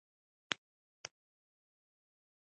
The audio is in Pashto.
هغې د خبرو په منځ کې يو لنډ مکث وکړ.